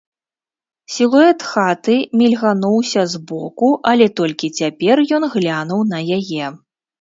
Сілуэт хаты мільгануўся збоку, але толькі цяпер ён глянуў на яе.